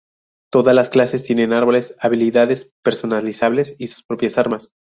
Todas las clases tienen árboles habilidades personalizables y sus propias armas.